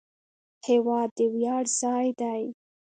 هېواد د ویاړ ځای دی.